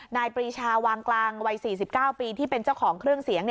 ปรีชาวางกลางวัย๔๙ปีที่เป็นเจ้าของเครื่องเสียง